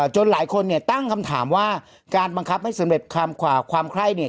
จนหลายคนเนี่ยตั้งคำถามว่าการบังคับให้สำเร็จความไคร้เนี่ย